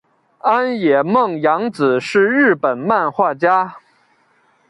安野梦洋子是日本漫画家。